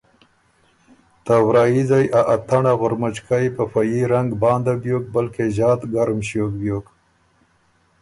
ته ورائیځئ ا اتنړ ا غُرمُچکئ په فه يي رنګ بانده بیوک بلکې ݫات ګرُم ݭیوک بیوک۔